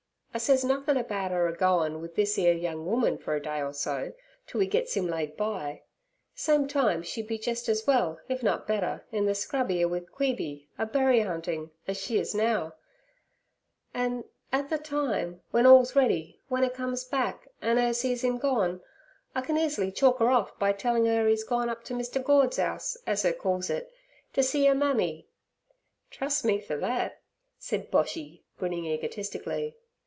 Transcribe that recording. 'I sez nothin' about 'er a goin' wi' this 'ere young woman fer a day or so, t' we gits 'im laid by. Same time, she'd be jest as well, if nut better, in ther scrub 'ere wi' Queeby a berry huntin' as she is now; an' at ther time w'en all's ready, w'en 'er comes back an' 'er sees 'im gone, I can easy chalk 'er off be tellin' 'er 'e's gone up to Mr. Gord's 'ouse, as 'er calls it, ter see 'er mammy. Trust me fer thet' said Boshy, grinning egotistically.